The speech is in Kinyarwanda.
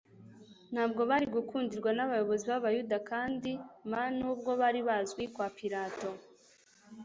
Ntabwo bari gukundirwa n'abayobozi b'abayuda kandi ma nubwo bari bazwi kwa Pilato.